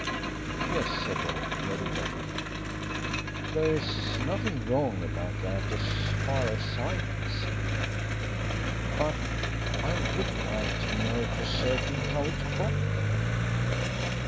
"Yes," said Rolfe meditatively. "There is nothing wrong about that as far as I can see. But I would like to know for certain how it got there."